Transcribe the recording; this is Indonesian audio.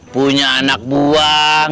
punya anak buang